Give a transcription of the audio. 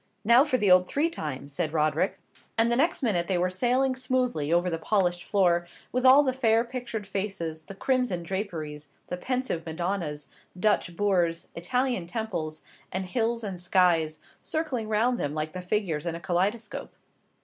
"Now for the old three time," said Roderick; and the next minute they were sailing smoothly over the polished floor, with all the fair pictured faces, the crimson draperies, the pensive Madonnas, Dutch boors, Italian temples, and hills, and skies, circling round them like the figures in a kaleidoscope.